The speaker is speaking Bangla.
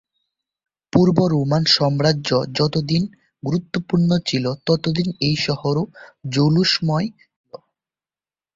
পূর্ব রোমান সাম্রাজ্য যতদিন গুরুত্বপূর্ণ ছিল ততদিন এই শহরও জৌলুশময় ছিল।